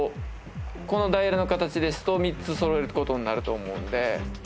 このダイヤルの形ですと３つそろえることになると思うんで。